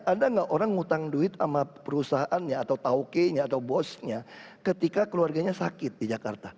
ada nggak orang ngutang duit sama perusahaannya atau tauke nya atau bosnya ketika keluarganya sakit di jakarta